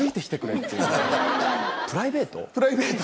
プライベート？